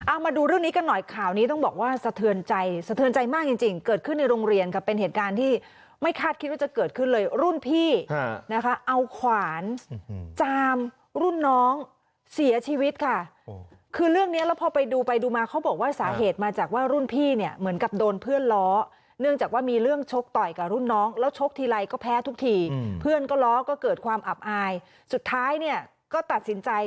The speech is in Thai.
เอามาดูเรื่องนี้กันหน่อยข่าวนี้ต้องบอกว่าสะเทือนใจสะเทือนใจมากจริงจริงเกิดขึ้นในโรงเรียนกับเป็นเหตุการณ์ที่ไม่คาดคิดว่าจะเกิดขึ้นเลยรุ่นพี่นะคะเอาขวานจามรุ่นน้องเสียชีวิตค่ะคือเรื่องนี้แล้วพอไปดูไปดูมาเขาบอกว่าสาเหตุมาจากว่ารุ่นพี่เนี่ยเหมือนกับโดนเพื่อนล้อเนื่องจากว่ามีเรื่องชกต่อยกั